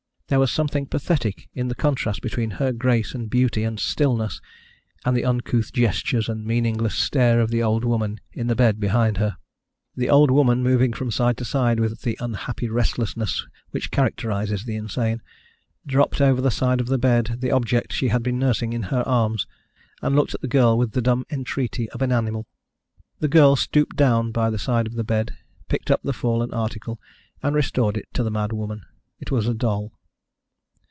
There was something pathetic in the contrast between her grace and beauty and stillness and the uncouth gestures and meaningless stare of the old woman in the bed behind her. The old woman, moving from side to side with the unhappy restlessness which characterises the insane, dropped over the side of the bed the object she had been nursing in her arms, and looked at the girl with the dumb entreaty of an animal. The girl stooped down by the side of the bed, picked up the fallen article, and restored it to the mad woman. It was a doll.